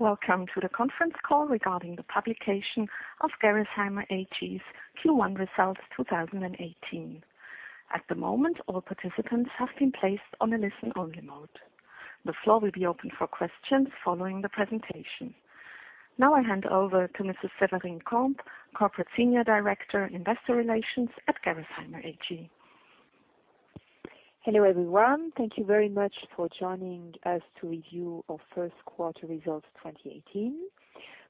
Welcome to the conference call regarding the publication of Gerresheimer AG's Q1 results 2018. At the moment, all participants have been placed on a listen-only mode. The floor will be open for questions following the presentation. Now I hand over to Mrs. Severine Camp, Corporate Senior Director, Investor Relations at Gerresheimer AG. Hello, everyone. Thank you very much for joining us to review our first quarter results 2018.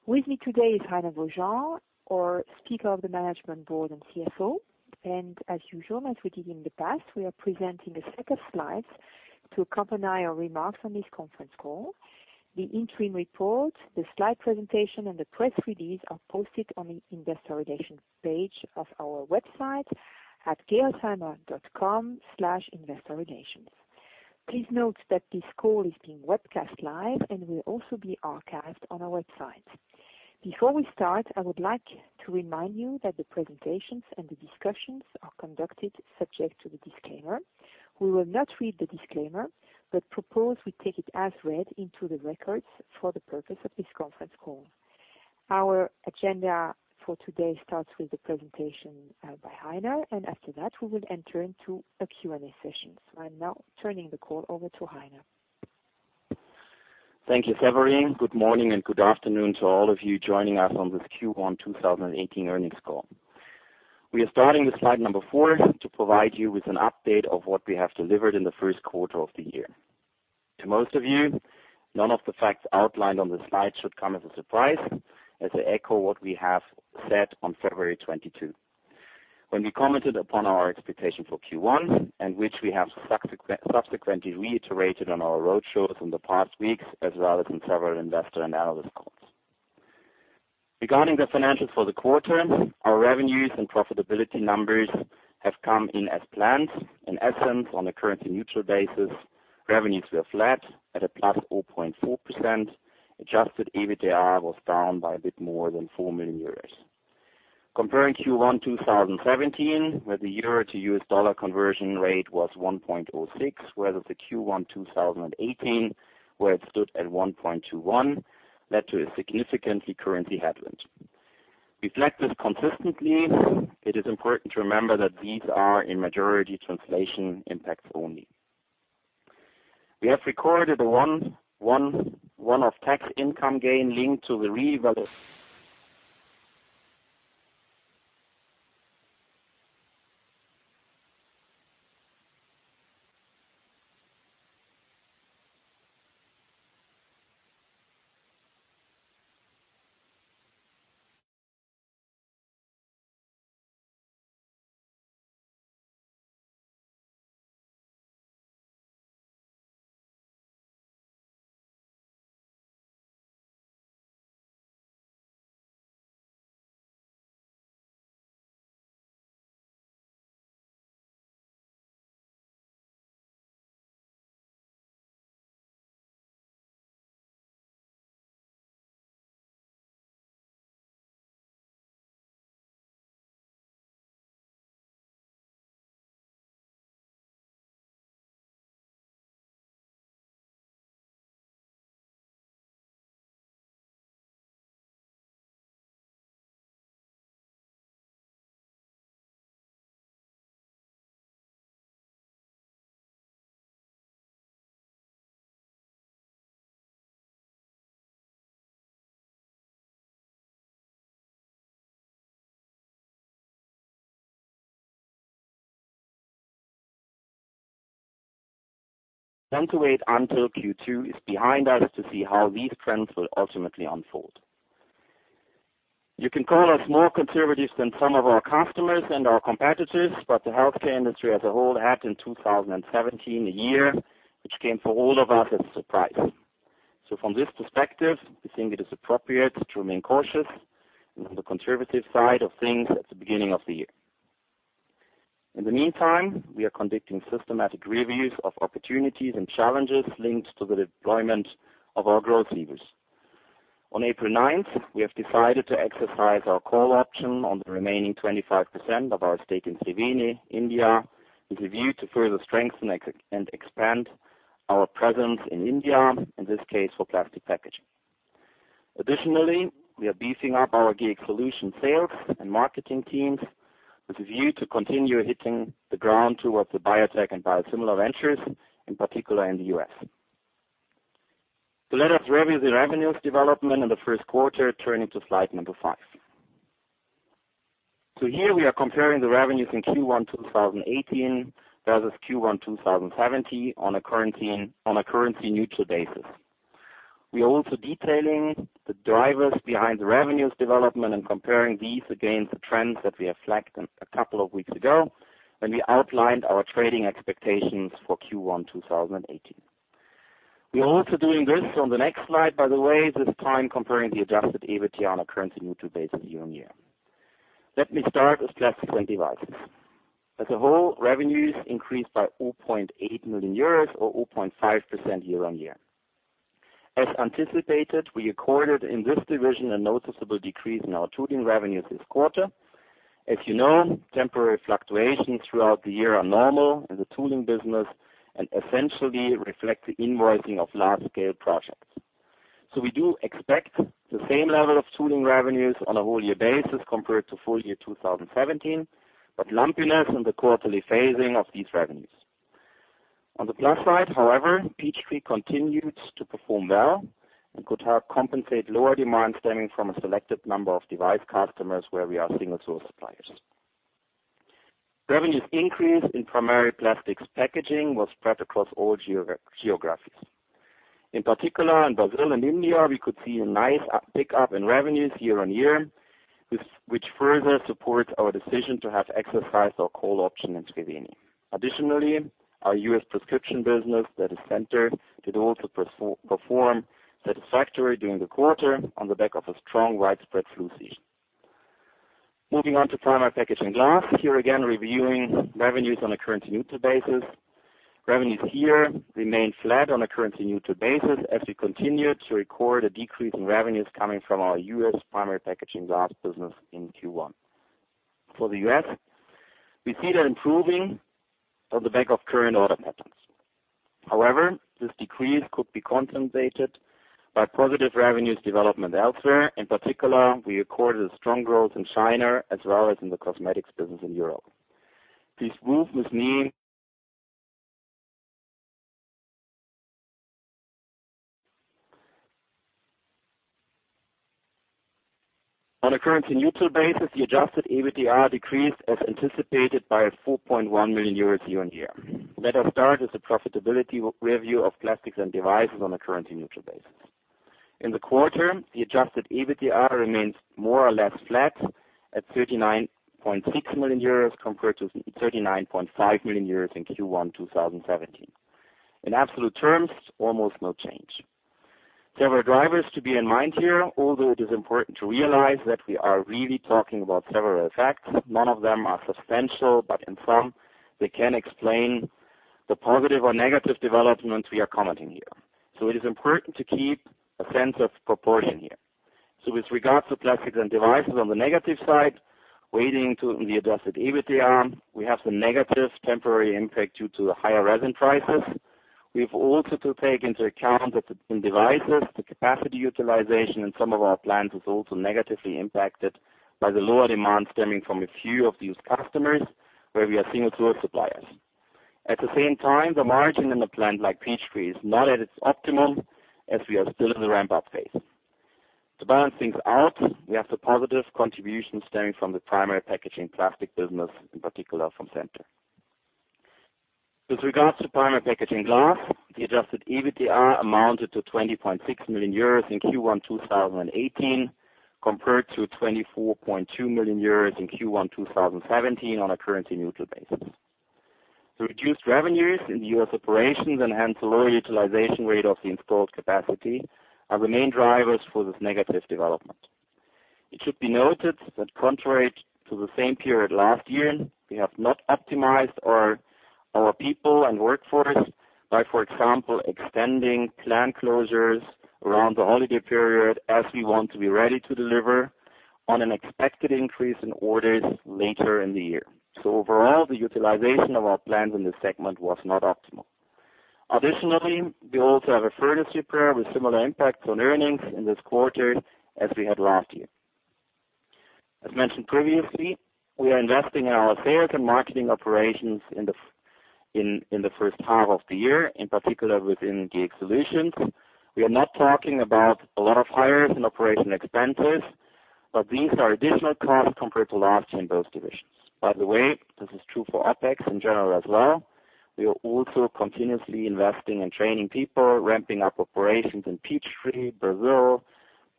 With me today is Heiner Vogel, our Speaker of the Management Board and CFO, and as usual, as we did in the past, we are presenting a set of slides to accompany our remarks on this conference call. The interim report, the slide presentation, and the press release are posted on the investor relations page of our website at gerresheimer.com/investorrelations. Please note that this call is being webcast live and will also be archived on our website. Before we start, I would like to remind you that the presentations and the discussions are conducted subject to the disclaimer. We will not read the disclaimer, but propose we take it as read into the records for the purpose of this conference call. Our agenda for today starts with the presentation by Heiner, and after that, we will enter into a Q&A session. I'm now turning the call over to Heiner. Thank you, Severine. Good morning and good afternoon to all of you joining us on this Q1 2018 earnings call. We are starting with slide number four to provide you with an update of what we have delivered in the first quarter of the year. To most of you, none of the facts outlined on this slide should come as a surprise, as they echo what we have said on February 22. When we commented upon our expectation for Q1, and which we have subsequently reiterated on our road shows in the past weeks, as well as in several investor and analyst calls. Regarding the financials for the quarter, our revenues and profitability numbers have come in as planned. In essence, on a currency-neutral basis, revenues were flat at a plus 0.4%. Adjusted EBITDA was down by a bit more than 4 million euros. Comparing Q1 2017, where the EUR to USD conversion rate was 1.06, whereas Q1 2018, where it stood at 1.21, led to a significant currency headwind. Reflect this consistently, it is important to remember that these are in majority translation impacts only. We have recorded a one-off tax income gain linked to the. We want to wait until Q2 is behind us to see how these trends will ultimately unfold. You can call us more conservative than some of our customers and our competitors, but the healthcare industry as a whole had, in 2017, a year which came for all of us as a surprise. From this perspective, we think it is appropriate to remain cautious and on the conservative side of things at the beginning of the year. In the meantime, we are conducting systematic reviews of opportunities and challenges linked to the deployment of our growth levers. On April 9th, we have decided to exercise our call option on the remaining 25% of our stake in Triveni, India, with a view to further strengthen and expand our presence in India, in this case, for plastic packaging. Additionally, we are beefing up our Gx Solutions sales and marketing teams with a view to continue hitting the ground towards the biotech and biosimilar ventures, in particular in the U.S. Let us review the revenues development in the first quarter, turning to slide number five. Here we are comparing the revenues in Q1 2018 versus Q1 2017 on a currency-neutral basis. We are also detailing the drivers behind the revenues development and comparing these against the trends that we have flagged a couple of weeks ago, when we outlined our trading expectations for Q1 2018. We are also doing this on the next slide, by the way, this time comparing the adjusted EBITDA on a currency-neutral basis year-on-year. Let me start with Plastics & Devices. As a whole, revenues increased by 0.8 million euros or 0.5% year-on-year. As anticipated, we recorded in this division a noticeable decrease in our tooling revenues this quarter. As you know, temporary fluctuations throughout the year are normal in the tooling business and essentially reflect the invoicing of large-scale projects. We do expect the same level of tooling revenues on a whole year basis compared to full year 2017, but lumpiness in the quarterly phasing of these revenues. On the plus side, however, Peachtree continues to perform well and could help compensate lower demand stemming from a selected number of device customers where we are single-source suppliers. Revenues increase in primary plastics packaging was spread across all geographies. In particular, in Brazil and India, we could see a nice pickup in revenues year-on-year, which further supports our decision to have exercised our call option in Triveni. Additionally, our U.S. prescription business, that is Centor, did also perform satisfactory during the quarter on the back of a strong widespread flu season. Moving on to Primary Packaging Glass. Here again, reviewing revenues on a currency-neutral basis. Revenues here remain flat on a currency-neutral basis as we continue to record a decrease in revenues coming from our U.S. primary packaging glass business in Q1. For the U.S., we see the improving of the back of current order patterns. However, this decrease could be compensated by positive revenues development elsewhere. In particular, we recorded a strong growth in China as well as in the cosmetics business in Europe. Please move with me. On a currency-neutral basis, the adjusted EBITDA decreased as anticipated by 4.1 million euros year-on-year. Let us start with the profitability review of Plastics & Devices on a currency-neutral basis. In the quarter, the adjusted EBITDA remains more or less flat at 39.6 million euros compared to 39.5 million euros in Q1 2017. In absolute terms, almost no change. Several drivers to be in mind here, although it is important to realize that we are really talking about several effects. None of them are substantial, but in sum, they can explain the positive or negative developments we are commenting here. It is important to keep a sense of proportion here. With regards to Plastics & Devices on the negative side, weighting to the adjusted EBITDA, we have the negative temporary impact due to the higher resin prices. We have also to take into account that in devices, the capacity utilization in some of our plants is also negatively impacted by the lower demand stemming from a few of these customers, where we are single-source suppliers. At the same time, the margin in a plant like Peachtree is not at its optimum as we are still in the ramp-up phase. To balance things out, we have the positive contribution stemming from the primary packaging plastic business, in particular from Centor. With regards to Primary Packaging Glass, the adjusted EBITDA amounted to 20.6 million euros in Q1 2018 compared to 24.2 million euros in Q1 2017 on a currency-neutral basis. The reduced revenues in the U.S. operations and hence lower utilization rate of the installed capacity are the main drivers for this negative development. It should be noted that contrary to the same period last year, we have not optimized our people and workforce by, for example, extending plant closures around the holiday period as we want to be ready to deliver on an expected increase in orders later in the year. Overall, the utilization of our plants in this segment was not optimal. Additionally, we also have a furnace repair with similar impacts on earnings in this quarter as we had last year. As mentioned previously, we are investing in our sales and marketing operations in the first half of the year, in particular within Gx Solutions. We are not talking about a lot of hires and operation expenses, but these are additional costs compared to last year in both divisions. By the way, this is true for OpEx in general as well. We are also continuously investing in training people, ramping up operations in Peachtree, Brazil,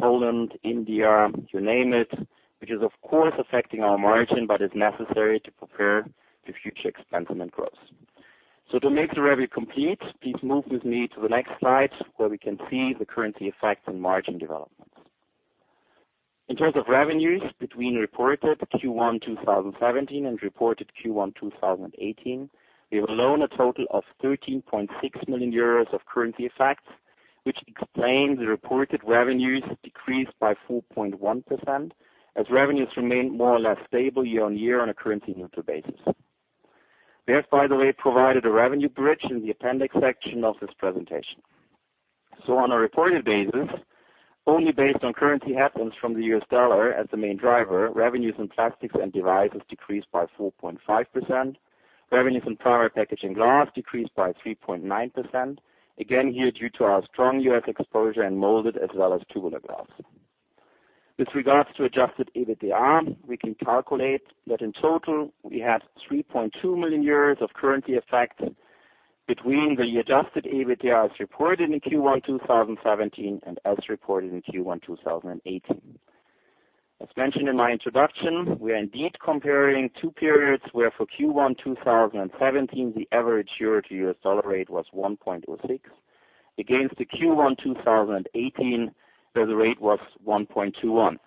Poland, India, you name it, which is of course affecting our margin, but is necessary to prepare for future expansion and growth. To make the review complete, please move with me to the next slide where we can see the currency effect on margin developments. In terms of revenues between reported Q1 2017 and reported Q1 2018, we have a loan of total of 13.6 million euros of currency effects, which explains the reported revenues decreased by 4.1%, as revenues remained more or less stable year-on-year on a currency-neutral basis. We have, by the way, provided a revenue bridge in the appendix section of this presentation. On a reported basis, only based on currency effects from the U.S. dollar as the main driver, revenues in Plastics & Devices decreased by 4.5%. Revenues in Primary Packaging Glass decreased by 3.9%. Again, here due to our strong U.S. exposure in molded as well as tubular glass. With regards to adjusted EBITDA, we can calculate that in total, we had 3.2 million of currency effect between the adjusted EBITDA as reported in Q1 2017 and as reported in Q1 2018. As mentioned in my introduction, we are indeed comparing two periods where for Q1 2017, the average year to U.S. dollar rate was 1.06 against the Q1 2018, where the rate was 1.21.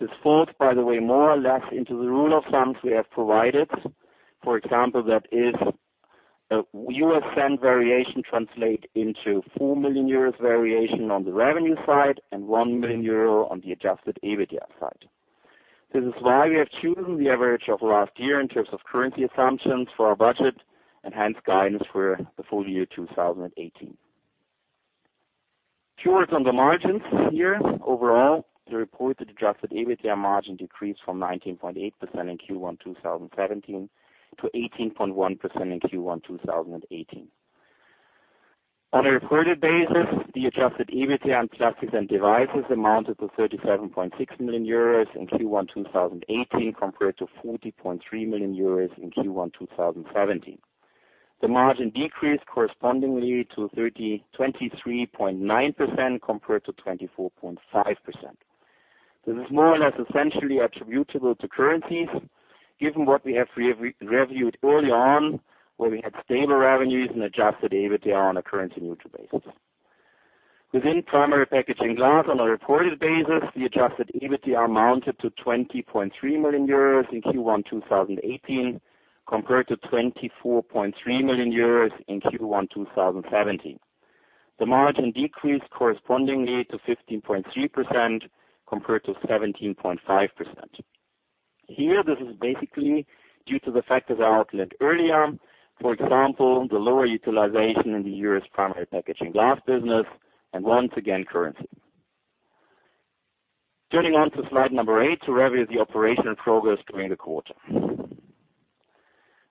This falls, by the way, more or less into the rule of thumb we have provided. For example, that if a U.S. cent variation translates into 4 million euros variation on the revenue side and 1 million euro on the adjusted EBITDA side. This is why we have chosen the average of last year in terms of currency assumptions for our budget, and hence guidance for the full year 2018. A few words on the margins here. Overall, the reported adjusted EBITDA margin decreased from 19.8% in Q1 2017 to 18.1% in Q1 2018. On a reported basis, the adjusted EBITDA in Plastics & Devices amounted to 37.6 million euros in Q1 2018 compared to 40.3 million euros in Q1 2017. The margin decreased correspondingly to 23.9% compared to 24.5%. This is more or less essentially attributable to currencies, given what we have reviewed early on, where we had stable revenues and adjusted EBITDA on a currency-neutral basis. Within Primary Packaging Glass, on a reported basis, the adjusted EBITDA amounted to 20.3 million euros in Q1 2018 compared to 24.3 million euros in Q1 2017. The margin decreased correspondingly to 15.3% compared to 17.5%. Here, this is basically due to the factors I outlined earlier, for example, the lower utilization in the year's Primary Packaging Glass business and once again, currency. Turning on to slide number eight to review the operational progress during the quarter.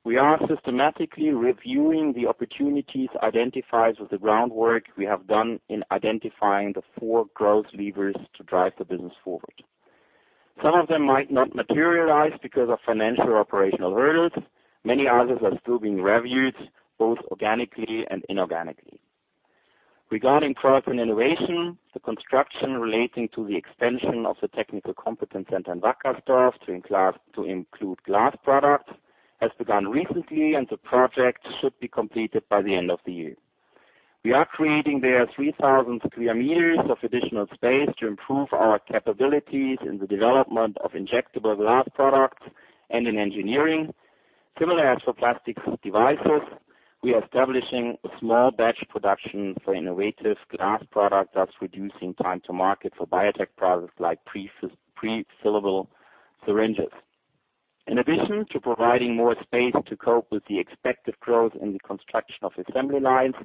We are systematically reviewing the opportunities identified with the groundwork we have done in identifying the four growth levers to drive the business forward. Some of them might not materialize because of financial or operational hurdles. Many others are still being reviewed, both organically and inorganically. Regarding product and innovation, the construction relating to the extension of the technical competence center in Wackersdorf to include glass products has begun recently, and the project should be completed by the end of the year. We are creating there 3,000 sq m of additional space to improve our capabilities in the development of injectable glass products and in engineering. Similar as for Plastics & Devices, we are establishing a small batch production for innovative glass products, thus reducing time to market for biotech products like prefillable syringes. In addition to providing more space to cope with the expected growth in the construction of assembly lines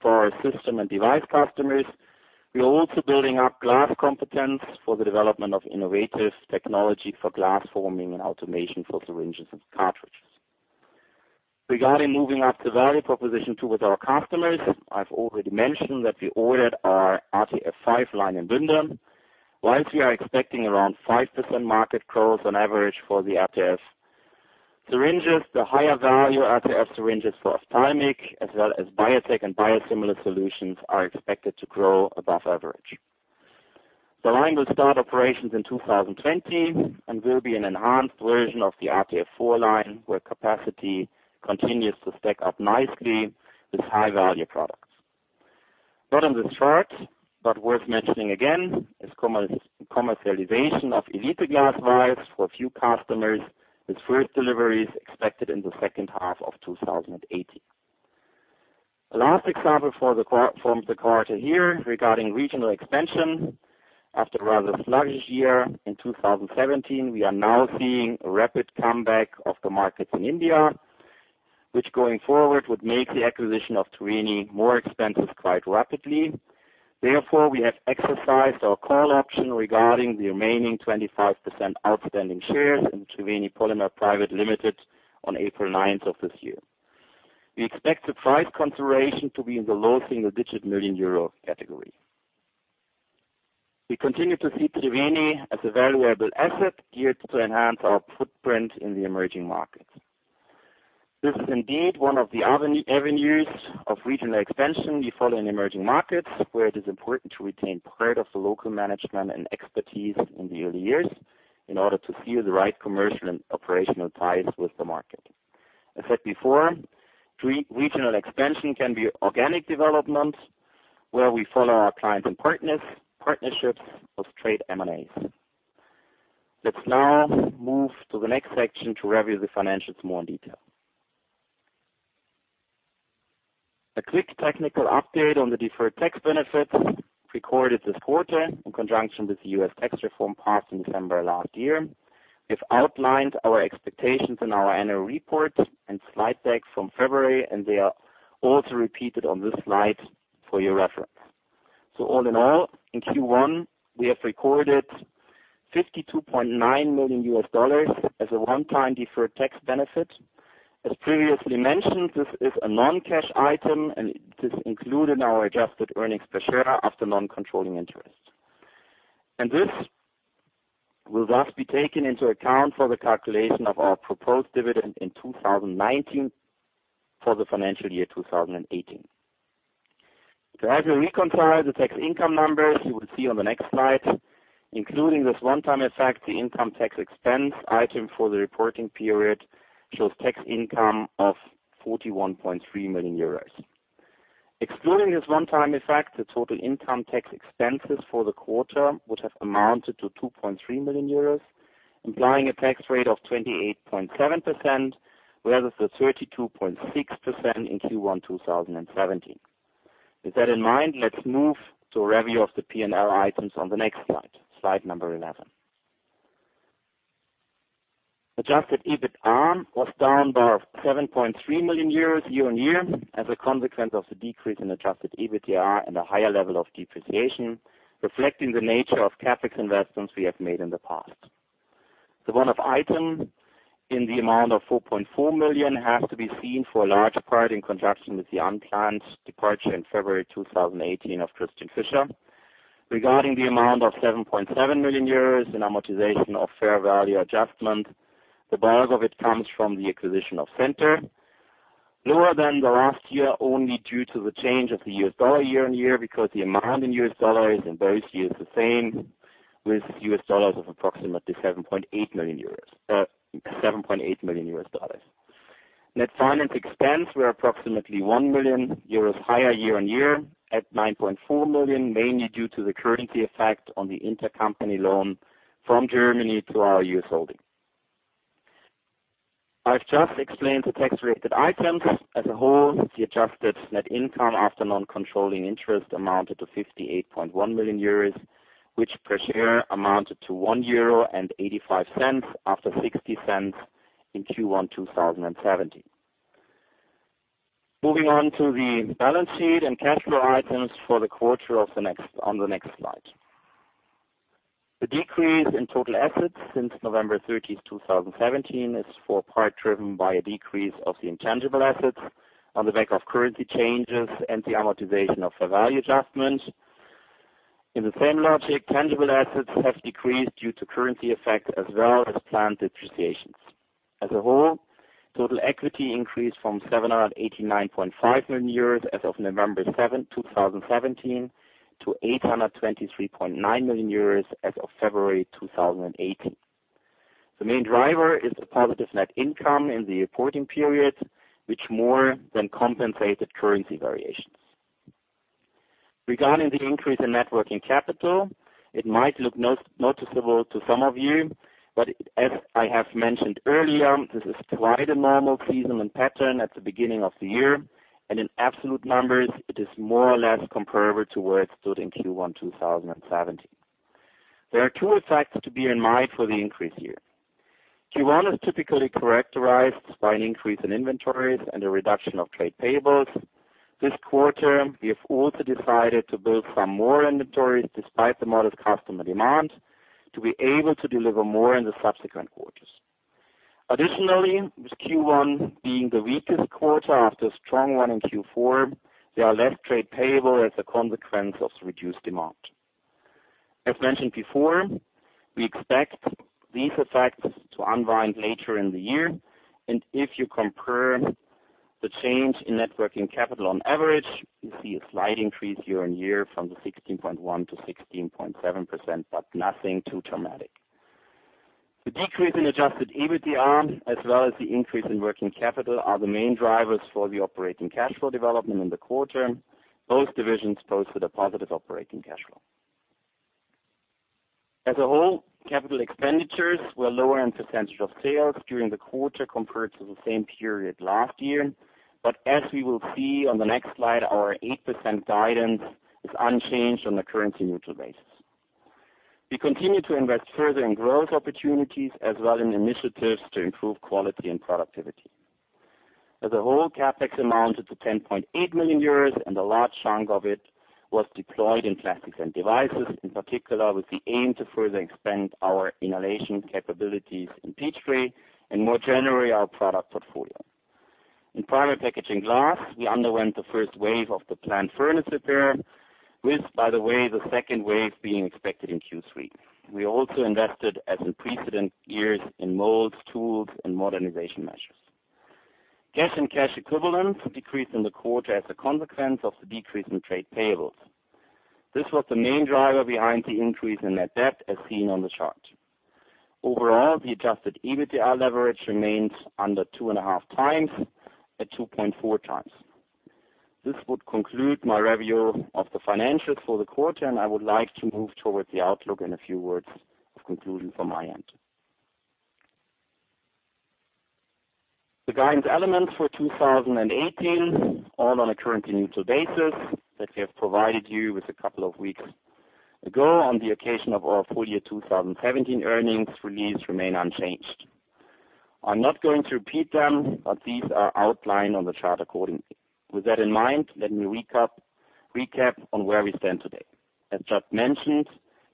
for our system and device customers, we are also building up glass competence for the development of innovative technology for glass forming and automation for syringes and cartridges. Regarding moving up the value proposition with our customers, I have already mentioned that we ordered our RTF 5 line in Bünde. Whilst we are expecting around 5% market growth on average for the RTF syringes, the higher-value RTF syringes for ophthalmic as well as biotech and biosimilar solutions are expected to grow above average. The line will start operations in 2020 and will be an enhanced version of the RTF 4 line, where capacity continues to stack up nicely with high-value products. Not on this chart, but worth mentioning again, is commercialization of Elite vials for a few customers, with first deliveries expected in the second half of 2018. The last example from the quarter here regarding regional expansion. After a rather sluggish year in 2017, we are now seeing a rapid comeback of the markets in India, which going forward would make the acquisition of Triveni more expansive quite rapidly. Therefore, we have exercised our call option regarding the remaining 25% outstanding shares in Triveni Polymers Private Limited on April 9th of this year. We expect the price consideration to be in the low single-digit million EUR category. We continue to see Triveni as a valuable asset geared to enhance our footprint in the emerging markets. This is indeed one of the avenues of regional expansion we follow in emerging markets, where it is important to retain part of the local management and expertise in the early years in order to seal the right commercial and operational ties with the market. I said before, regional expansion can be organic development where we follow our clients and partnerships with trade M&As. Let's now move to the next section to review the financials in more detail. A quick technical update on the deferred tax benefit recorded this quarter in conjunction with the U.S. tax reform passed in December last year. We have outlined our expectations in our annual report and slide deck from February, and they are also repeated on this slide for your reference. All in all, in Q1, we have recorded EUR 52.9 million as a one-time deferred tax benefit. As previously mentioned, this is a non-cash item, and this is included in our adjusted earnings per share after non-controlling interest. And this will thus be taken into account for the calculation of our proposed dividend in 2019 for the financial year 2018. As you reconcile the tax income numbers, you will see on the next slide, including this one-time effect, the income tax expense item for the reporting period shows tax income of 41.3 million euros. Excluding this one-time effect, the total income tax expenses for the quarter would have amounted to 2.3 million euros, implying a tax rate of 28.7%, whereas the 32.6% in Q1 2017. With that in mind, let's move to a review of the P&L items on the next slide number 11. Adjusted EBITDA R&M was down by 7.3 million euros year-on-year as a consequence of the decrease in adjusted EBITDA and a higher level of depreciation, reflecting the nature of CapEx investments we have made in the past. The one-off item in the amount of 4.4 million has to be seen for a large part in conjunction with the unplanned departure in February 2018 of Christian Fischer. Regarding the amount of 7.7 million euros in amortization of fair value adjustment, the bulk of it comes from the acquisition of Centor. Lower than the last year, only due to the change of the U.S. dollar year-on-year, because the amount in U.S. dollars in both years the same with U.S. dollars of approximately $7.8 million U.S. Net finance expense were approximately 1 million euros higher year-on-year at 9.4 million, mainly due to the currency effect on the intercompany loan from Germany to our U.S. holding. I've just explained the tax-related items. As a whole, the adjusted net income after non-controlling interest amounted to 58.1 million euros, which per share amounted to 1.85 euro after 0.60 in Q1 2017. Moving on to the balance sheet and cash flow items for the quarter on the next slide. The decrease in total assets since November 30th, 2017, is for part driven by a decrease of the intangible assets on the back of currency changes and the amortization of fair value adjustment. In the same logic, tangible assets have decreased due to currency effect as well as planned depreciations. As a whole, total equity increased from 789.5 million euros as of November 7, 2017, to 823.9 million euros as of February 2018. The main driver is the positive net income in the reporting period, which more than compensated currency variations. Regarding the increase in net working capital, it might look noticeable to some of you, but as I have mentioned earlier, this is quite a normal seasonal pattern at the beginning of the year, and in absolute numbers, it is more or less comparable to where it stood in Q1 2017. There are two effects to be in mind for the increase here. Q1 is typically characterized by an increase in inventories and a reduction of trade payables. This quarter, we have also decided to build some more inventories despite the modest customer demand, to be able to deliver more in the subsequent quarters. Additionally, with Q1 being the weakest quarter after a strong one in Q4, there are less trade payable as a consequence of the reduced demand. As mentioned before, we expect these effects to unwind later in the year, and if you compare the change in net working capital on average, you see a slight increase year-on-year from the 16.1% to 16.7%, but nothing too dramatic. The decrease in adjusted EBITDA R&M, as well as the increase in working capital, are the main drivers for the operating cash flow development in the quarter. As a whole, capital expenditures were lower in percentage of sales during the quarter compared to the same period last year. As we will see on the next slide, our 8% guidance is unchanged on a currency-neutral basis. We continue to invest further in growth opportunities as well in initiatives to improve quality and productivity. As a whole, CapEx amounted to 10.8 million euros, and a large chunk of it was deployed in Plastics & Devices, in particular with the aim to further expand our inhalation capabilities in Peachtree and more generally, our product portfolio. In Primary Packaging Glass, we underwent the first wave of the plant furnace repair with, by the way, the second wave being expected in Q3. We also invested as in precedent years in molds, tools, and modernization measures. Cash and cash equivalents decreased in the quarter as a consequence of the decrease in trade payables. This was the main driver behind the increase in net debt as seen on the chart. Overall, the adjusted EBITDA leverage remains under 2.5 times at 2.4 times. This would conclude my review of the financials for the quarter, and I would like to move towards the outlook and a few words of conclusion from my end. The guidance elements for 2018, all on a currency-neutral basis that we have provided you with a couple of weeks ago on the occasion of our full-year 2017 earnings release, remain unchanged. I am not going to repeat them, but these are outlined on the chart accordingly. With that in mind, let me recap on where we stand today. As just mentioned,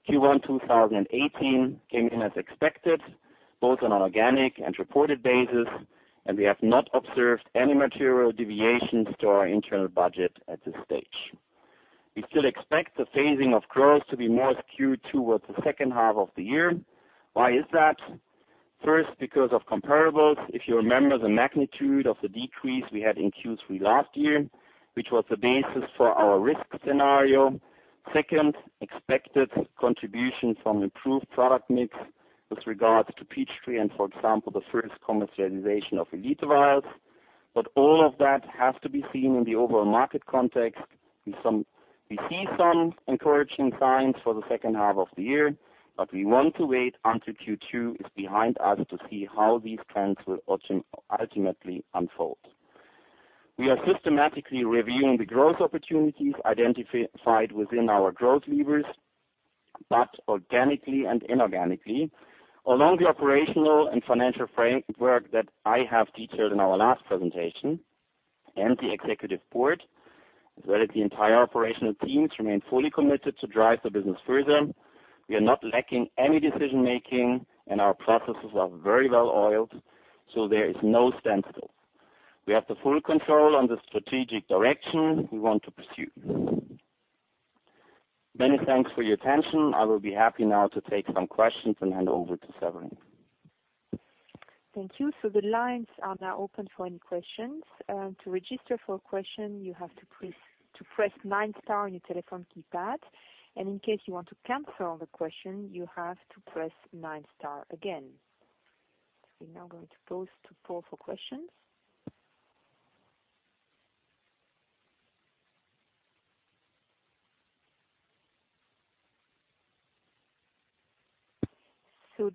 Q1 2018 came in as expected, both on organic and reported basis, and we have not observed any material deviations to our internal budget at this stage. We still expect the phasing of growth to be more skewed towards the second half of the year. Why is that? First, because of comparables. If you remember the magnitude of the decrease we had in Q3 last year, which was the basis for our risk scenario. Second, expected contribution from improved product mix with regards to Peachtree and, for example, the first commercialization of Elite vials. All of that has to be seen in the overall market context. We see some encouraging signs for the second half of the year, but we want to wait until Q2 is behind us to see how these trends will ultimately unfold. We are systematically reviewing the growth opportunities identified within our growth levers, both organically and inorganically, along the operational and financial framework that I have detailed in our last presentation, and the Executive Board, as well as the entire operational teams, remain fully committed to drive the business further. We are not lacking any decision-making, and our processes are very well-oiled, there is no standstill. We have the full control on the strategic direction we want to pursue. Many thanks for your attention. I will be happy now to take some questions and hand over to Severine. Thank you. The lines are now open for any questions. To register for a question, you have to press nine star on your telephone keypad, and in case you want to cancel the question, you have to press nine star again. We are now going to pause to poll for questions.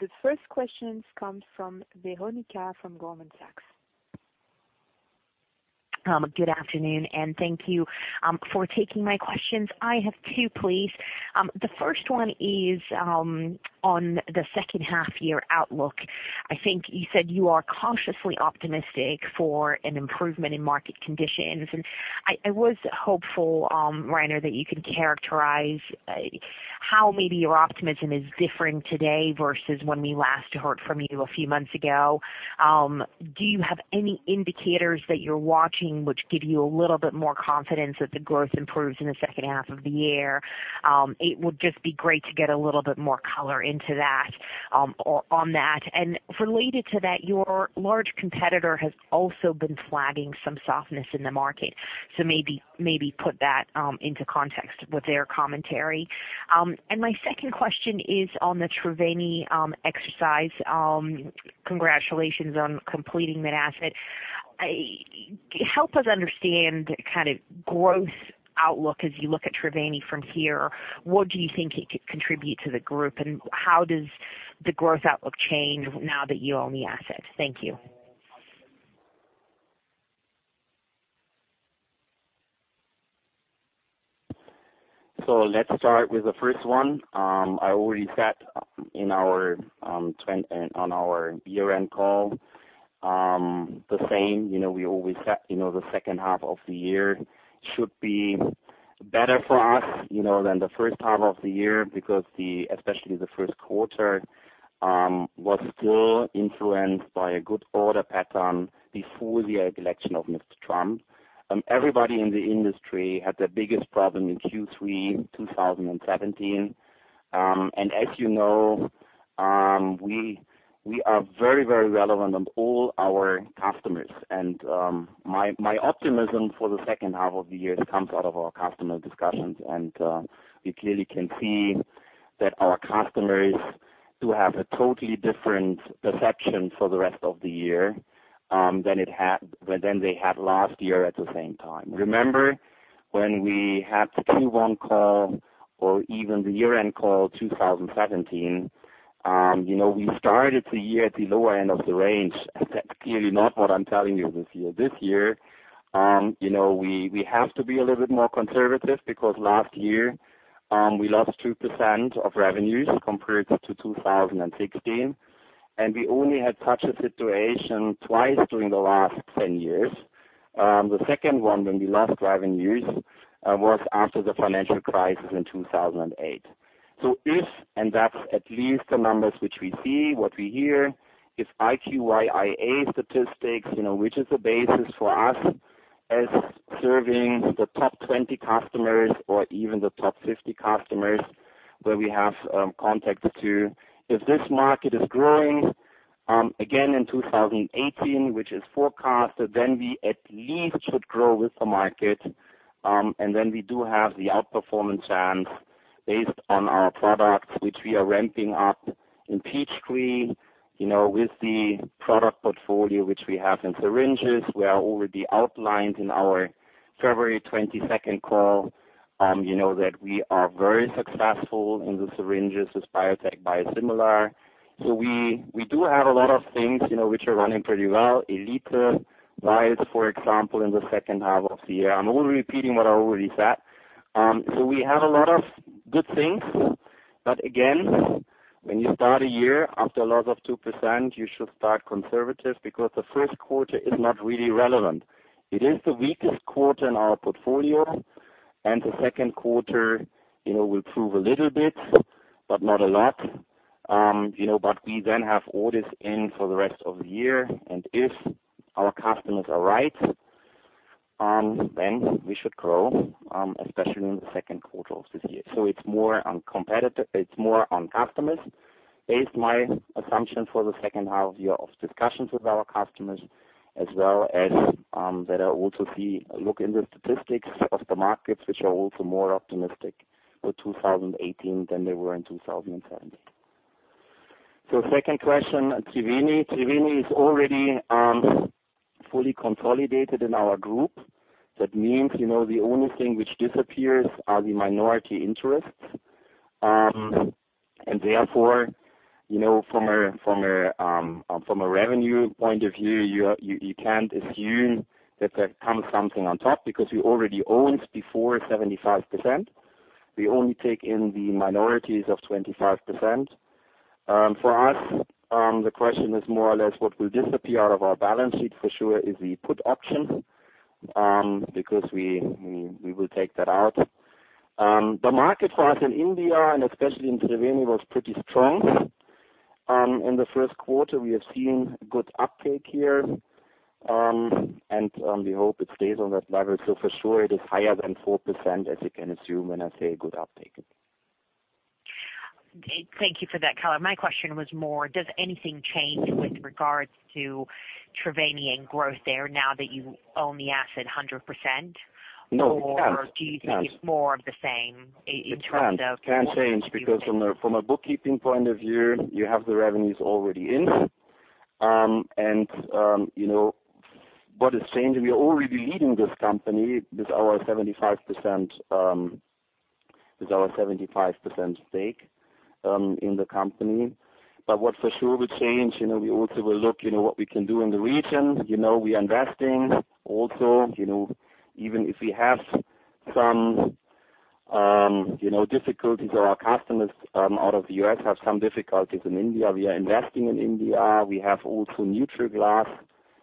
The first question comes from Veronica from Goldman Sachs. Good afternoon, and thank you for taking my questions. I have two, please. The first one is on the second half-year outlook. I think you said you are cautiously optimistic for an improvement in market conditions, and I was hopeful, Heiner, that you could characterize how maybe your optimism is different today versus when we last heard from you a few months ago. Do you have any indicators that you're watching which give you a little bit more confidence that the growth improves in the second half of the year? It would just be great to get a little bit more color into that, on that. Related to that, your large competitor has also been flagging some softness in the market. Maybe put that into context with their commentary. My second question is on the Triveni exercise. Congratulations on completing that asset. Help us understand the kind of growth outlook as you look at Triveni from here. What do you think it could contribute to the group, and how does the growth outlook change now that you own the asset? Thank you. Let's start with the first one. I already said on our year-end call the same. We always said the second half of the year should be better for us than the first half of the year, because especially the first quarter was still influenced by a good order pattern before the election of Mr. Trump. Everybody in the industry had their biggest problem in Q3 2017. As you know, we are very relevant on all our customers. My optimism for the second half of the year comes out of our customer discussions, and we clearly can see that our customers do have a totally different perception for the rest of the year than they had last year at the same time. Remember when we had the Q1 call or even the year-end call 2017, we started the year at the lower end of the range. That's clearly not what I'm telling you this year. This year, we have to be a little bit more conservative because last year, we lost 2% of revenues compared to 2016, and we only had such a situation twice during the last ten years. The second one, when we lost revenues, was after the financial crisis in 2008. If, and that's at least the numbers which we see, what we hear, if IQVIA statistics, which is the basis for us as serving the top 20 customers or even the top 50 customers where we have contacts to, if this market is growing again in 2018, which is forecasted, then we at least should grow with the market. And then we do have the outperformance chance based on our products, which we are ramping up in Peachtree. With the product portfolio which we have in syringes, we have already outlined in our February 22nd call that we are very successful in the syringes with biotech biosimilar. We do have a lot of things, which are running pretty well. Elite vials, for example, in the second half of the year. I'm only repeating what I already said. We have a lot of good things. Again, when you start a year after a loss of 2%, you should start conservative because the first quarter is not really relevant. It is the weakest quarter in our portfolio, and the second quarter will prove a little bit, but not a lot. We then have orders in for the rest of the year, and if our customers are right, then we should grow, especially in the second quarter of this year. It's more on customers Based my assumption for the second half year of discussions with our customers, as well as that I also look in the statistics of the markets, which are also more optimistic for 2018 than they were in 2017. Second question, Triveni. Triveni is already fully consolidated in our group. That means the only thing which disappears are the minority interests. Therefore, from a revenue point of view, you can't assume that there comes something on top because we already owned before 75%. We only take in the minorities of 25%. For us, the question is more or less what will disappear out of our balance sheet for sure is the put option, because we will take that out. The market for us in India and especially in Triveni was pretty strong. In the first quarter, we have seen good uptake here, and we hope it stays on that level. For sure it is higher than 4%, as you can assume when I say a good uptake. Thank you for that color. My question was more, does anything change with regards to Triveni and growth there now that you own the asset 100%? No, it can't. Do you think it's more of the same in terms of It can't change because from a bookkeeping point of view, you have the revenues already in. What is changing, we are already leading this company with our 75% stake in the company. What for sure will change, we also will look what we can do in the region. We are investing also, even if we have some difficulties or our customers out of the U.S. have some difficulties in India. We are investing in India. We have also Neutral Glass,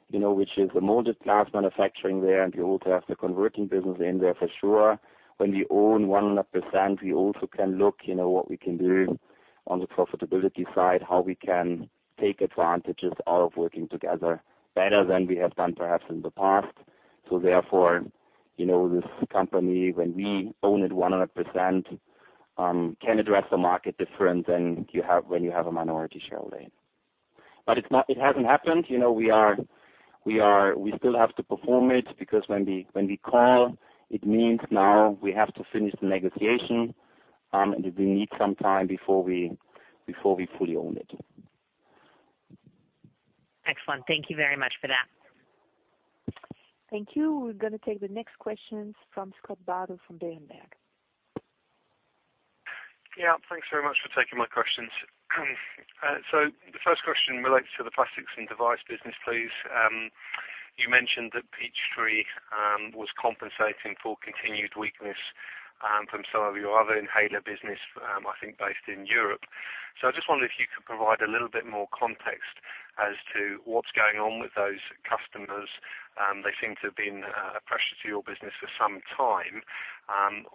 which is a molded glass manufacturing there, and we also have the converting business in there for sure. When we own 100%, we also can look what we can do on the profitability side, how we can take advantages of working together better than we have done perhaps in the past. Therefore, this company, when we own it 100%, can address the market different than when you have a minority shareholding. It hasn't happened. We still have to perform it because when we call, it means now we have to finish the negotiation, and we need some time before we fully own it. Excellent. Thank you very much for that. Thank you. We're going to take the next questions from Scott Bardo from Berenberg. Thanks very much for taking my questions. The first question relates to the Plastics & Devices business, please. You mentioned that Peachtree was compensating for continued weakness from some of your other inhaler business, I think based in Europe. I just wonder if you could provide a little bit more context as to what's going on with those customers. They seem to have been a pressure to your business for some time.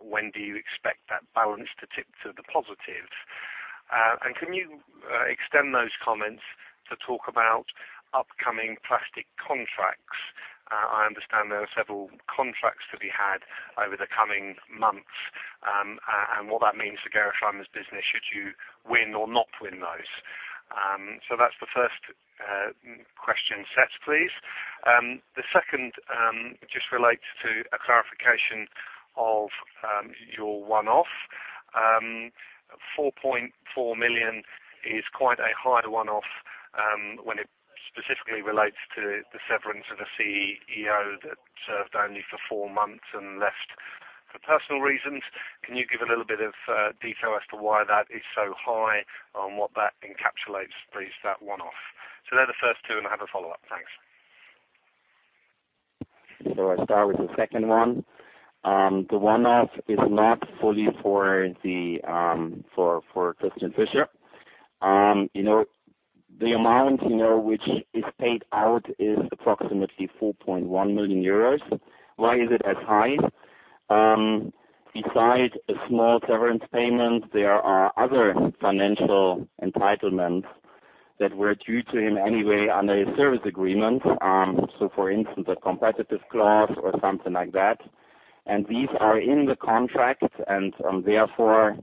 When do you expect that balance to tip to the positive? Can you extend those comments to talk about upcoming plastic contracts? I understand there are several contracts to be had over the coming months, and what that means to Gerresheimer's business should you win or not win those. That's the first question set, please. The second just relates to a clarification of your one-off. 4.4 million is quite a high one-off when it specifically relates to the severance of a CEO that served only for four months and left for personal reasons. Can you give a little bit of detail as to why that is so high and what that encapsulates, please, that one-off? They're the first two, and I have a follow-up. Thanks. I start with the second one. The one-off is not fully for Christian Fischer. The amount which is paid out is approximately 4.1 million euros. Why is it as high? Besides a small severance payment, there are other financial entitlements that were due to him anyway under his service agreement. For instance, a competitive clause or something like that. These are in the contract, and therefore,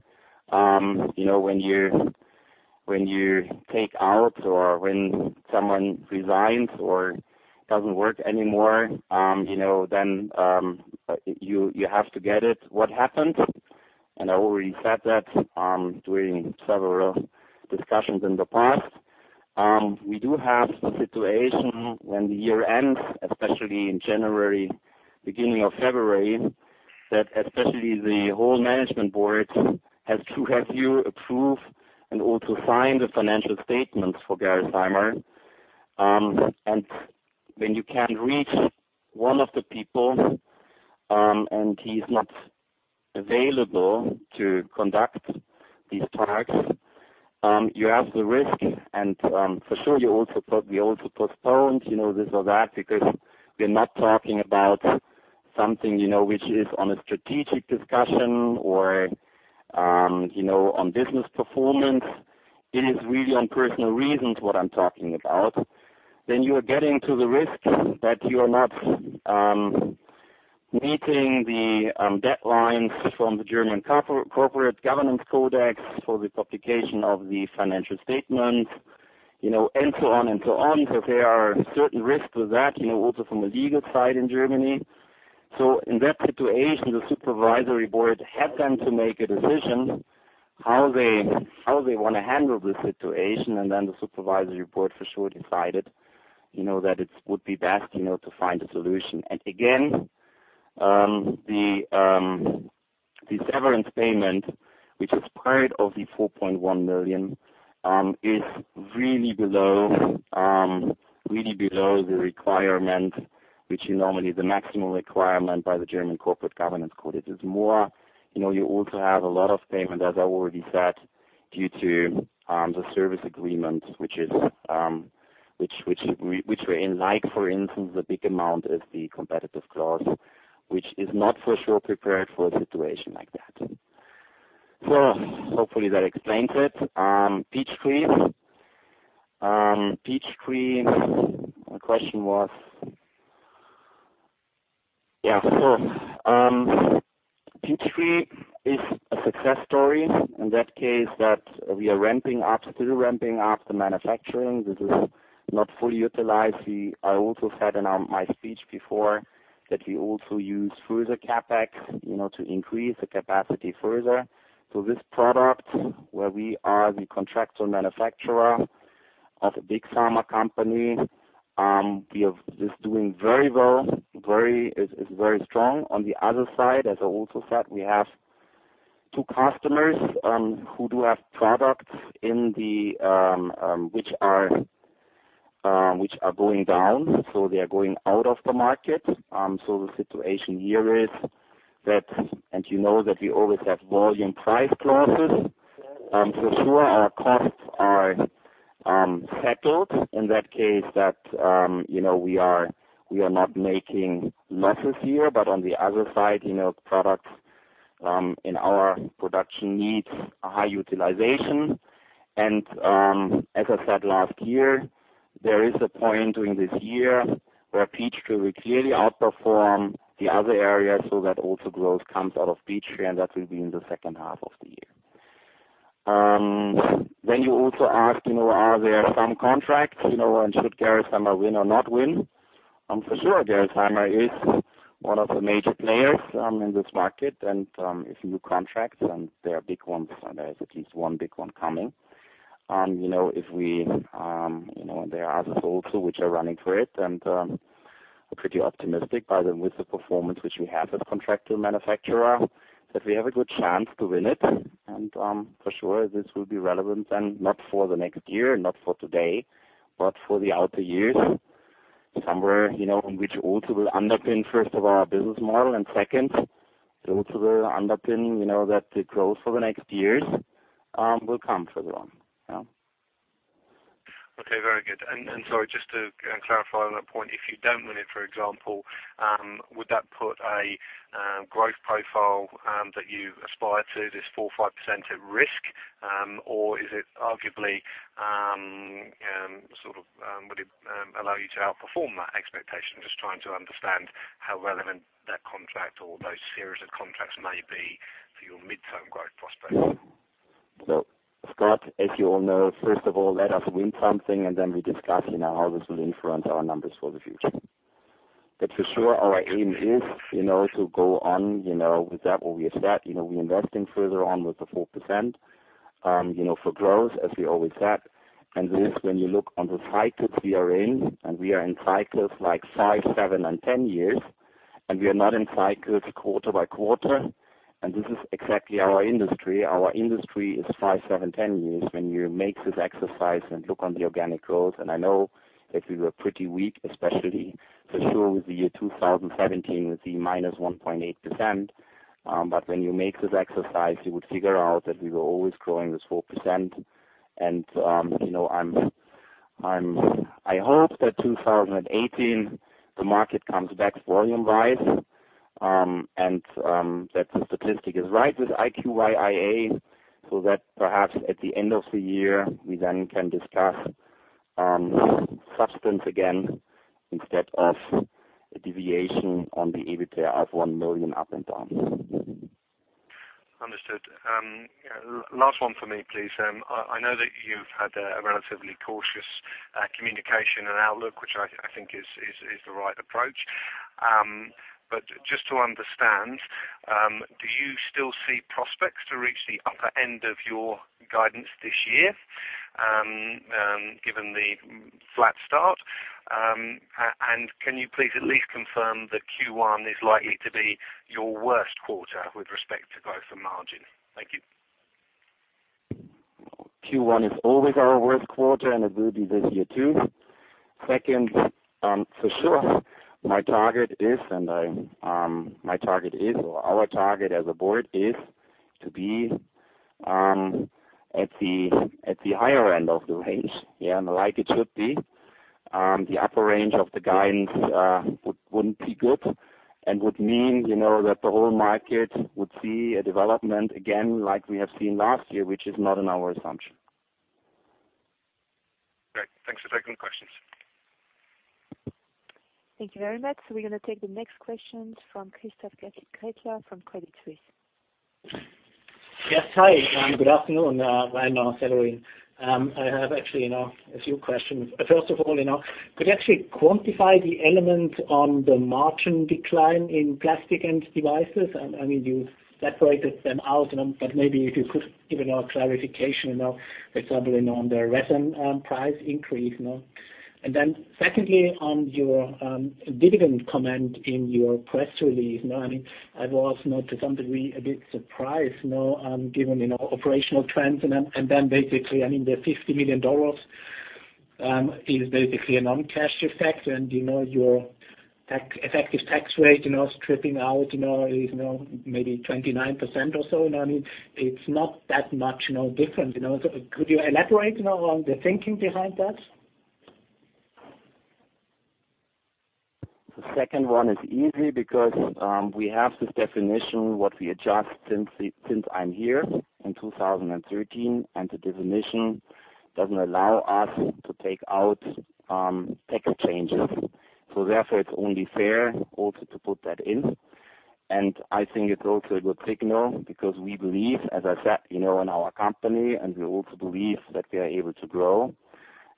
when you take out or when someone resigns or doesn't work anymore, you have to get it. What happened. I already said that during several discussions in the past. We do have a situation when the year ends, especially in January, beginning of February, that especially the whole management board has to have you approve and also sign the financial statements for Gerresheimer. When you can't reach one of the people, and he's not available to conduct these talks, you have the risk. For sure we also postponed this or that because we're not talking about something which is on a strategic discussion or on business performance. It is really on personal reasons what I'm talking about. You are getting to the risk that you are not meeting the deadlines from the German Corporate Governance Code for the publication of the financial statements, and so on. There are certain risks with that, also from the legal side in Germany. In that situation, the supervisory board helped them to make a decision how they want to handle the situation, and then the supervisory board for sure decided, that it would be best to find a solution. Again, the severance payment, which is part of the 4.1 million, is really below the requirement, which is normally the maximum requirement by the German Corporate Governance Code. You also have a lot of payment, as I already said, due to the service agreement, which were in like, for instance, the big amount is the competitive clause, which is not for sure prepared for a situation like that. Hopefully that explains it. Peachtree. Peachtree, the question was. Peachtree is a success story in that case that we are still ramping up the manufacturing. This is not fully utilized. I also said in my speech before that we also use further CapEx to increase the capacity further. This product where we are the contractor manufacturer of a big pharma company, is doing very well, is very strong. On the other side, as I also said, we have two customers who do have products which are going down, so they are going out of the market. The situation here is that, and you know that we always have volume price clauses. For sure, our costs are settled in that case that we are not making losses here, but on the other side, products in our production needs a high utilization. As I said last year, there is a point during this year where Peachtree will clearly outperform the other areas so that also growth comes out of Peachtree, and that will be in the second half of the year. You also asked, are there some contracts, and should Gerresheimer win or not win? For sure, Gerresheimer is one of the major players in this market, and if you win contracts and there are big ones, there is at least one big one coming. There are others also, which are running for it, and I'm pretty optimistic with the performance which we have as a contractor manufacturer, that we have a good chance to win it. For sure, this will be relevant then, not for the next year, not for today, but for the outer years, somewhere, which also will underpin, first of all, our business model, and second, it also will underpin that the growth for the next years will come for sure. Yeah. Okay. Very good. Sorry, just to clarify on that point, if you don't win it, for example, would that put a growth profile that you aspire to this four, five% at risk? Or is it arguably, would it allow you to outperform that expectation? Just trying to understand how relevant that contract or those series of contracts may be for your midterm growth prospects. Scott, as you all know, first of all, let us win something, and then we discuss how this will influence our numbers for the future. For sure, our aim is to go on with that what we have said. We're investing further on with the 4%, for growth, as we always said. This, when you look on the cycles we are in, and we are in cycles like five, seven, and 10 years, and we are not in cycles quarter by quarter. This is exactly our industry. Our industry is five, seven, 10 years. When you make this exercise and look on the organic growth, and I know that we were pretty weak, especially for sure with the year 2017, with the -1.8%. When you make this exercise, you would figure out that we were always growing this 4%. I hope that 2018, the market comes back volume-wise, and that the statistic is right with IQVIA, so that perhaps at the end of the year, we then can discuss substance again instead of a deviation on the EBITDA of one million up and down. Understood. Last one for me, please. I know that you've had a relatively cautious communication and outlook, which I think is the right approach. Just to understand, do you still see prospects to reach the upper end of your guidance this year, given the flat start? Can you please at least confirm that Q1 is likely to be your worst quarter with respect to growth and margin? Thank you. Q1 is always our worst quarter, it will be this year, too. Second, for sure, my target is, or our target as a board is to be at the higher end of the range. Like it should be. The upper range of the guidance wouldn't be good and would mean that the whole market would see a development again like we have seen last year, which is not in our assumption. Thank you very much. We're going to take the next question from Christoph Gretler from Credit Suisse. Yes. Hi, good afternoon. Rainer Heiner. I have actually a few questions. First of all, could you actually quantify the element on the margin decline in Plastics & Devices? I mean, you separated them out, but maybe if you could give a clarification at all, for example, on the resin price increase. Secondly, on your dividend comment in your press release. I was to some degree, a bit surprised given operational trends basically, the EUR 50 million is basically a non-cash effect and your effective tax rate stripping out is maybe 29% or so. It's not that much different. Could you elaborate on the thinking behind that? The second one is easy because we have this definition, what we adjust since I'm here in 2013, and the definition doesn't allow us to take out tax changes. Therefore it's only fair also to put that in. I think it's also a good signal because we believe, as I said, in our company, and we also believe that we are able to grow,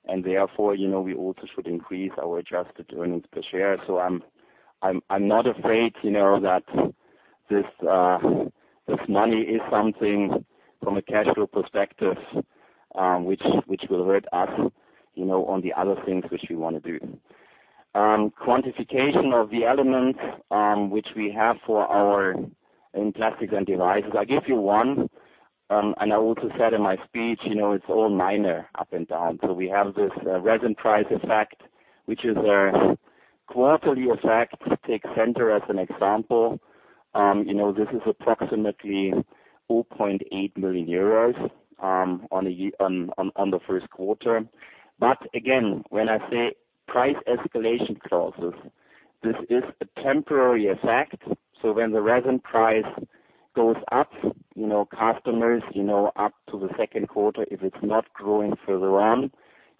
and therefore, we also should increase our adjusted earnings per share. I'm not afraid that this money is something from a cash flow perspective, which will hurt us on the other things which we want to do. Quantification of the elements, which we have for our in Plastics & Devices. I give you one, and I also said in my speech, it's all minor up and down. We have this resin price effect, which is a quarterly effect. Take Centor as an example. This is approximately 4.8 million euros on the first quarter. Again, when I say price escalation clauses, this is a temporary effect. When the resin price goes up, customers, up to the second quarter, if it's not growing further on,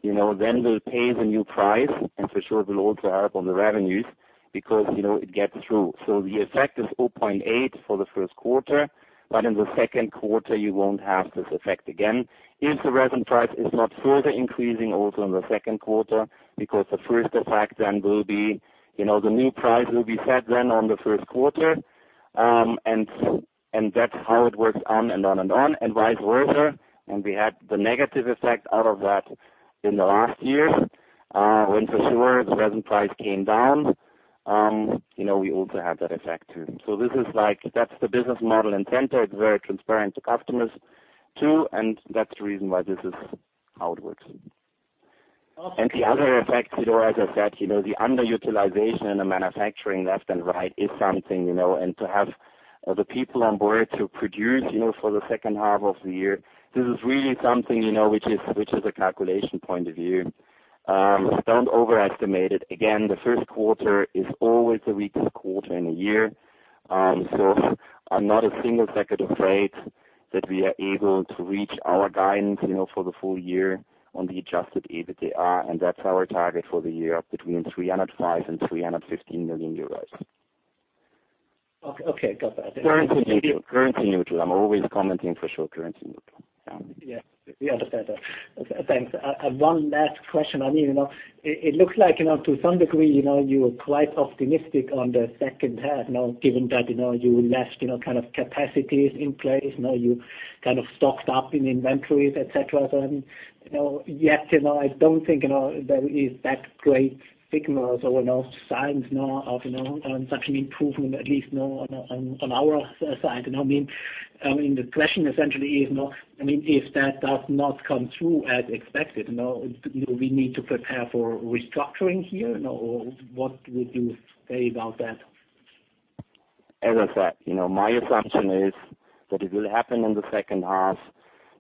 then they'll pay the new price and for sure it will also help on the revenues because it gets through. The effect is 4.8 for the first quarter, but in the second quarter, you won't have this effect again. If the resin price is not further increasing also in the second quarter, because the first effect then will be the new price will be set then on the first quarter. That's how it works on and on and on and vice versa. We had the negative effect out of that in the last years, when for sure the resin price came down. We also have that effect, too. That's the business model in Centor. It's very transparent to customers too, and that's the reason why this is how it works. The other effect, as I said, the underutilization in the manufacturing left and right is something, and to have the people on board to produce for the second half of the year, this is really something which is a calculation point of view. Don't overestimate it. Again, the first quarter is always the weakest quarter in a year. I'm not a single second afraid that we are able to reach our guidance for the full year on the adjusted EBITDA, and that's our target for the year between 305 million euros and 315 million euros. Okay. Got that. Currency neutral. I'm always commenting for sure currency neutral. Yeah. We understand that. Thanks. One last question. It looks like, to some degree, you were quite optimistic on the second half now, given that you left capacities in place. You stocked up in inventories, et cetera. Yet, I don't think there is that great signals or signs now of such an improvement, at least now on our side. The question essentially is, if that does not come through as expected, do we need to prepare for restructuring here? What would you say about that? As I said, my assumption is that it will happen in the second half.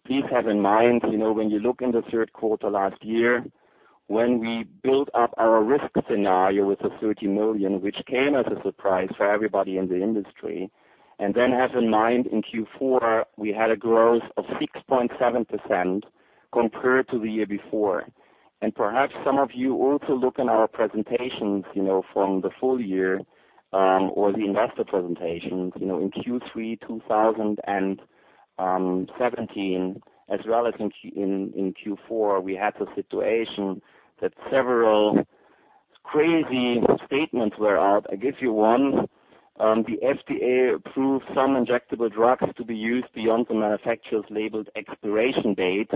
Please have in mind, when you look in the third quarter last year, when we built up our risk scenario with the 30 million, which came as a surprise for everybody in the industry, then have in mind in Q4, we had a growth of 6.7% compared to the year before. Perhaps some of you also look in our presentations from the full year, or the investor presentations, in Q3 2017 as well as in Q4, we had the situation that several crazy statements were out. I give you one. The FDA approved some injectable drugs to be used beyond the manufacturer's labeled expiration date.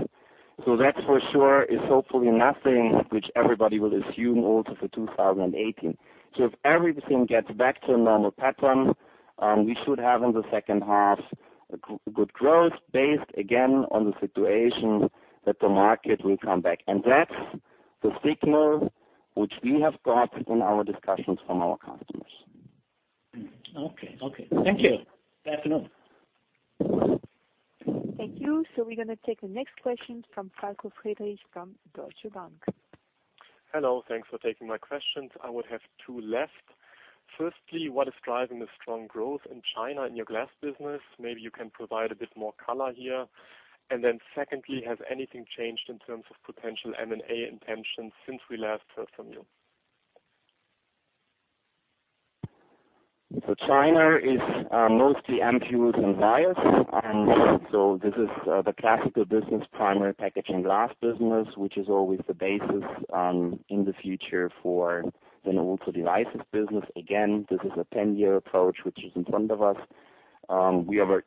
That for sure is hopefully nothing which everybody will assume also for 2018. If everything gets back to a normal pattern, we should have in the second half a good growth based, again, on the situation that the market will come back. That's the signal which we have got in our discussions from our customers. Okay. Thank you. Good afternoon. Thank you. We're going to take the next question from Falko Friedrichs from Deutsche Bank. Hello. Thanks for taking my questions. I would have two left. Firstly, what is driving the strong growth in China in your glass business? Maybe you can provide a bit more color here. Secondly, has anything changed in terms of potential M&A intentions since we last heard from you? China is mostly ampoules and vials. This is the classical business Primary Packaging Glass business, which is always the basis in the future for an (ultra devices) business. Again, this is a 10-year approach which is in front of us. We are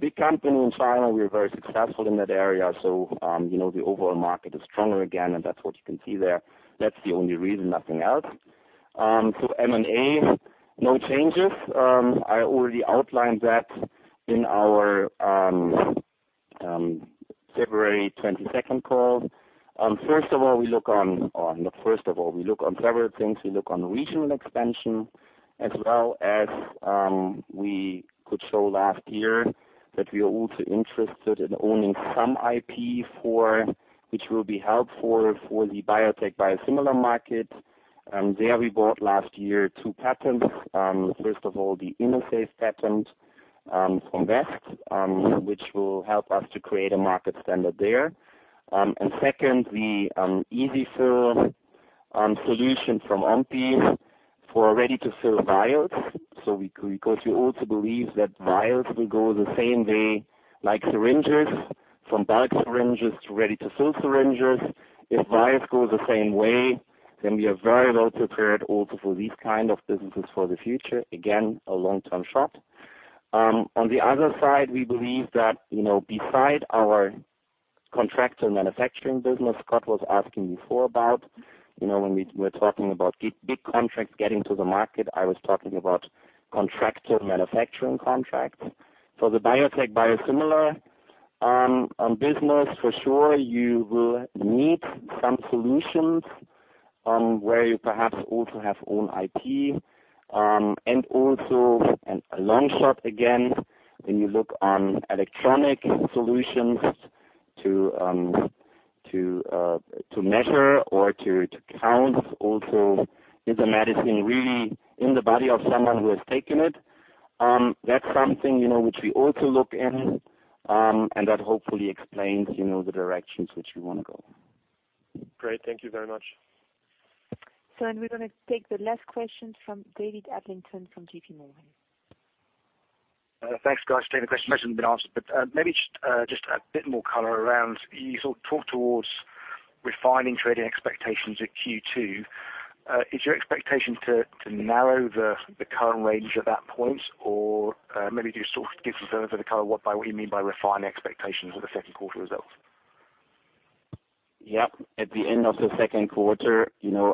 big company in China. We are very successful in that area. The overall market is stronger again, and that's what you can see there. That's the only reason, nothing else. M&A, no changes. I already outlined that in our February 22nd call. First of all, we look on several things. We look on regional expansion as well as we could show last year that we are also interested in owning some IP which will be helpful for the biotech biosimilar market. There we bought last year two patents. First of all, the InnoSafe patent from West, which will help us to create a market standard there. Second, the EZ-fill solution from Ompi for ready-to-fill vials. We could, because we also believe that vials will go the same way like syringes, from bulk syringes to ready-to-fill syringes. If vials go the same way, we are very well prepared also for these kind of businesses for the future. Again, a long-term shot. On the other side, we believe that beside our contract manufacturing business, Scott was asking before about when we were talking about big contracts getting to the market, I was talking about contract manufacturing contracts. For the biotech biosimilar business, for sure, you will need some solutions, where you perhaps also have own IP. Also a long shot again, when you look on electronic solutions to measure or to count also, is the medicine really in the body of someone who has taken it? That's something which we also look in, and that hopefully explains the directions which we want to go. Great. Thank you very much. We're going to take the last question from David Adlington from JPMorgan. Thanks, guys, for taking the question. Most of them have been answered, maybe just a bit more color around, you sort of talk towards refining trading expectations at Q2. Is your expectation to narrow the current range at that point? Maybe just sort of give some further color what you mean by refining expectations for the second quarter results? Yep. At the end of the second quarter,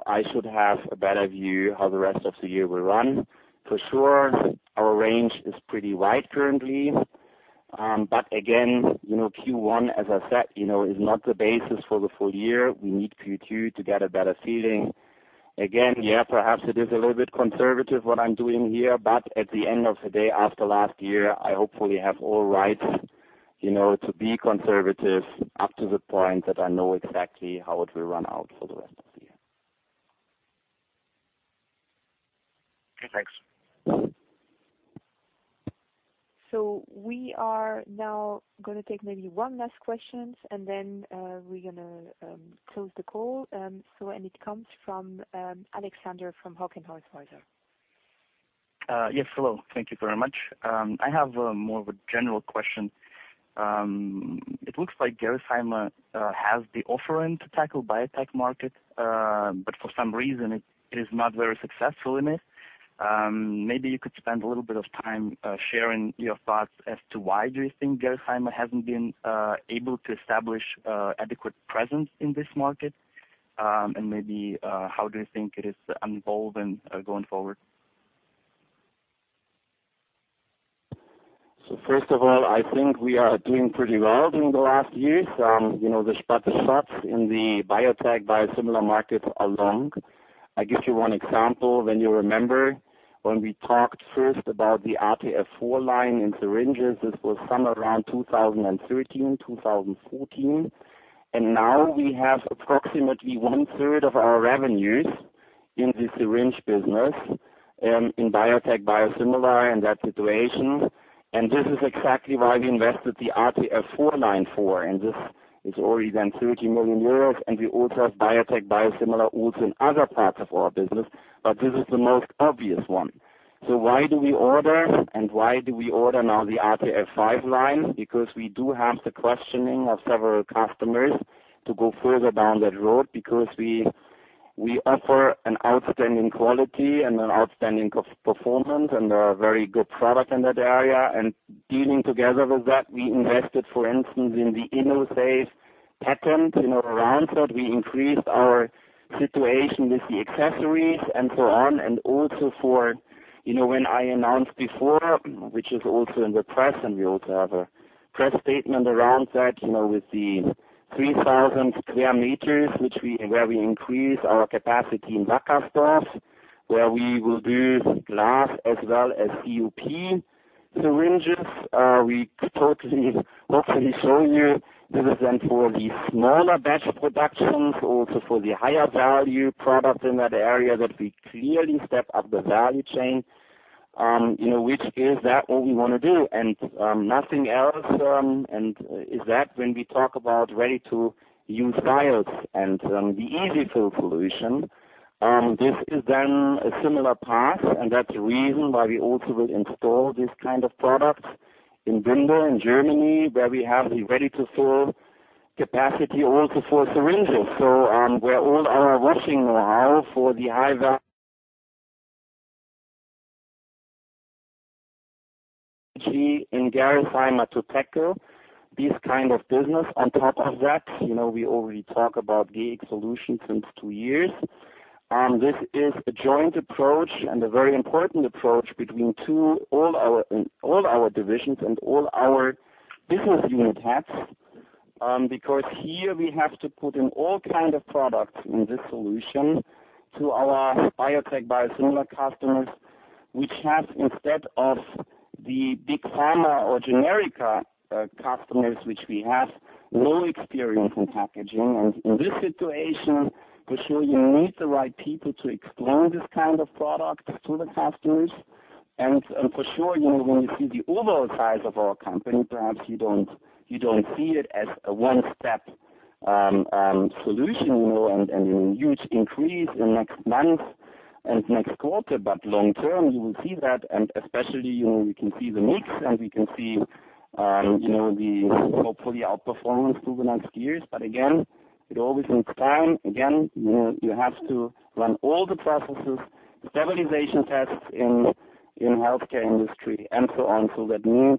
I should have a better view how the rest of the year will run. For sure, our range is pretty wide currently. Again, Q1, as I said, is not the basis for the full year. We need Q2 to get a better feeling. Again, yeah, perhaps it is a little bit conservative what I'm doing here, but at the end of the day, after last year, I hopefully have all rights to be conservative up to the point that I know exactly how it will run out for the rest of the year. Okay, thanks. We are now going to take maybe one last question and then we're going to close the call. It comes from Alexander from Hauck & Aufhäuser. Yes, hello. Thank you very much. I have more of a general question. It looks like Gerresheimer has the offering to tackle biotech market, but for some reason, it is not very successful in it. Maybe you could spend a little bit of time sharing your thoughts as to why do you think Gerresheimer hasn't been able to establish adequate presence in this market, and maybe how do you think it is unfolding going forward? First of all, I think we are doing pretty well during the last years. The spot shots in the biotech biosimilar market are long. I give you one example. When you remember when we talked first about the RTF 4 line in syringes, this was somewhere around 2013, 2014. Now we have approximately 1/3 of our revenues in the syringe business, in biotech biosimilar and that situation. This is exactly why we invested the RTF 4 line, and this is already then 30 million euros, and we also have biotech biosimilar also in other parts of our business, but this is the most obvious one. Why do we order and why do we order now the RTF 5 line? We do have the questioning of several customers to go further down that road because we offer an outstanding quality and an outstanding performance and a very good product in that area. Dealing together with that, we invested, for instance, in the InnoSafe patent around that. We increased our situation with the accessories and so on. Also for when I announced before, which is also in the press, and we also have a press statement around that, with the 3,000 sq m, where we increase our capacity in Wackersdorf, where we will do glass as well as COP syringes. We totally, hopefully show you this is then for the smaller batch productions, also for the higher value product in that area, that we clearly step up the value chain. Which is that what we want to do and nothing else, and is that when we talk about ready-to-use vials and the EZ-fill solution. This is a similar path, that's the reason why we also will install this kind of product in Bindlach, in Germany, where we have the ready-to-fill capacity also for syringes, where all our washing know-how for the high-value in Gerresheimer to tackle this kind of business. On top of that, we already talk about Gx Solutions since two years. This is a joint approach and a very important approach between all our divisions and all our business unit heads. Here we have to put in all kind of products in this solution to our biotech biosimilar customers, which have, instead of the big pharma or generics customers which we have, low experience in packaging. In this situation, for sure, you need the right people to explain this kind of product to the customers. For sure, when you see the overall size of our company, perhaps you don't see it as a one-step solution, and a huge increase in next month and next quarter. Long-term, you will see that, and especially, we can see the mix and we can see the, hopefully, outperformance over the next years. Again, it always needs time. Again, you have to run all the processes, stabilization tests in healthcare industry, and so on. That means,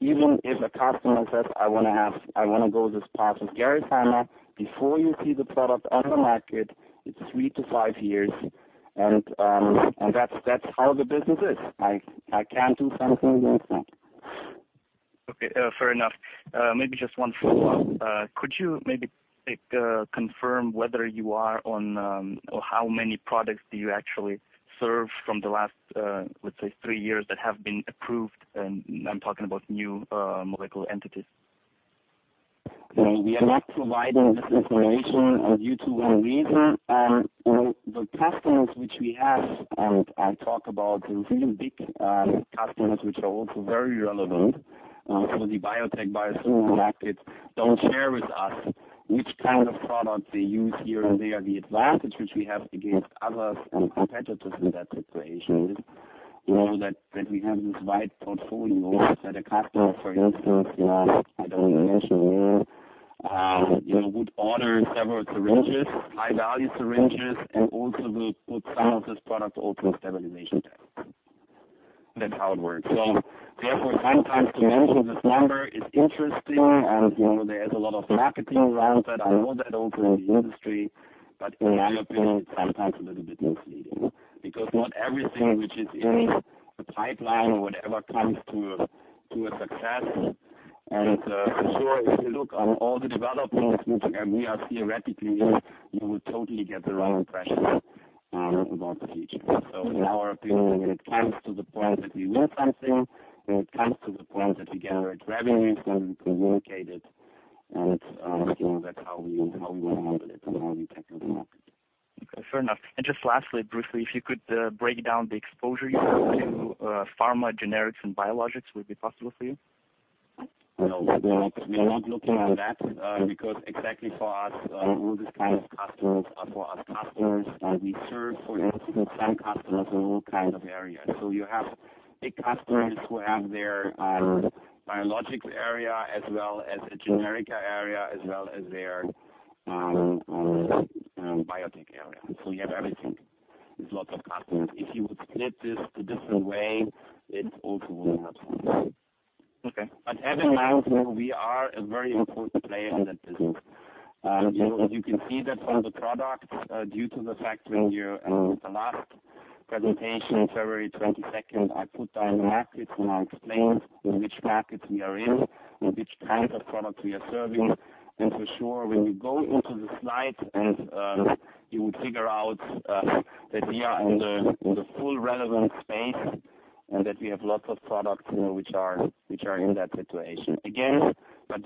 even if a customer says, "I want to go this path with Gerresheimer," before you see the product on the market, it's three to five years, and that's how the business is. I can't do something that's not. Okay. Fair enough. Maybe just one follow-up. Could you maybe confirm whether you are on-- or how many products do you actually serve from the last, let's say, three years that have been approved? I'm talking about new molecular entities. We are not providing this information due to one reason. The customers which we have, I talk about the really big customers which are also very relevant for the biotech biosimilar market, don't share with us which kind of product they use here and there. The advantage which we have against others and competitors in that situation is, that we have this wide portfolio that a customer, for instance, I don't mention name, would order several syringes, high-value syringes, and also will put some of this product also in stabilization tests. That's how it works. Therefore, sometimes to mention this number is interesting, there is a lot of marketing around that. I know that also in the industry, in my opinion, it's sometimes a little bit misleading. Not everything which is in a pipeline or whatever comes to a success. For sure, if you look on all the developments which, we are theoretically in, you will totally get the wrong impression about the future. In our opinion, when it comes to the point that we win something, when it comes to the point that we generate revenues and we communicate it, that's how we want to handle it and how we tackle the market. Just lastly, briefly, if you could break down the exposure you have to pharma generics and biologics, would it be possible for you? No, we are not looking at that because exactly for us, all these kind of customers are for us customers that we serve. For instance, some customers in all kind of areas. You have big customers who have their biologics area as well as a generics area, as well as their biotech area. You have everything with lots of customers. If you would split this to different way, it also would not make sense. Okay. At end, we are a very important player in that business. As you can see that from the products, due to the fact when you at the last presentation, February 22nd, I put down the markets and I explained in which markets we are in and which kind of product we are serving. For sure, when you go into the slides and you will figure out that we are in the full relevant space and that we have lots of products which are in that situation. Again,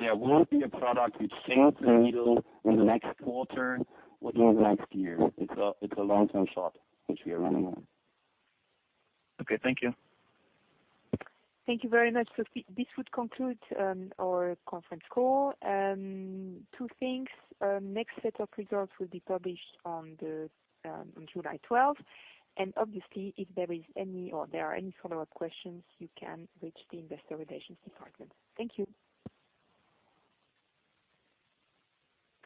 there won't be a product which swings the needle in the next quarter or in the next year. It's a long-term shot, which we are running on. Okay. Thank you. Thank you very much. This would conclude our conference call. Two things. Next set of results will be published on July 12th. Obviously, if there is any or there are any follow-up questions, you can reach the investor relations department. Thank you.